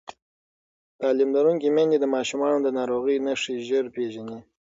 تعلیم لرونکې میندې د ماشومانو د ناروغۍ نښې ژر پېژني.